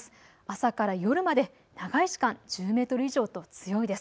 朝から夜まで長い時間１０メートル以上と強いです。